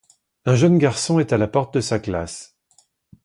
Un jeune garçon est à la porte de sa classe.